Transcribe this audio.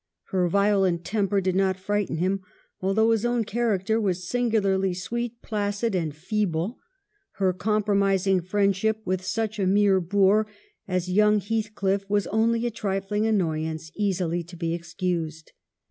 Her violent temper did not frighten him, although his own character was singularly sweet, placid, and feeble ; her compromising friendship with such a mere boor as young Heathcliff was only a trifling annoyance, easily to be excused.